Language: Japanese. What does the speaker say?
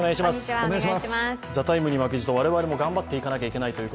「ＴＨＥＴＩＭＥ，」に負けじと我々も頑張っていきたいと思います。